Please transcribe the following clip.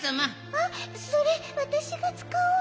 あっそれわたしがつかおうと。